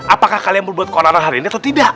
apakah kalian membuat koronan hari ini atau tidak